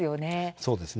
そうですね。